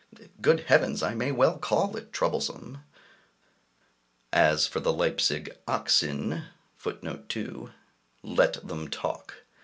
Good heavens! I may well call it troublesome! As for the Leipzig oxen, let them talk!